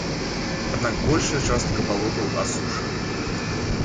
Аднак большая частка балотаў асушаны.